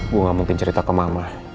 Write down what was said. gue gak mungkin cerita ke mama